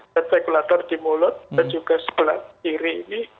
dan spekulator di mulut dan juga sebelah kiri ini